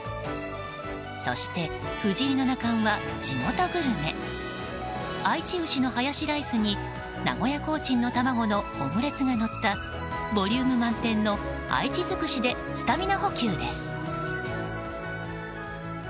そして藤井七冠は地元グルメあいち牛のハヤシライスに名古屋コーチンの卵のオムレツがのったボリューム満点の愛知尽くしでスタミナ補給です。